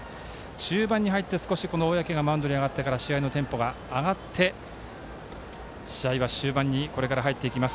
中盤になって小宅がマウンドに上がってから試合のテンポが上がって試合は終盤にこれから入っていきます。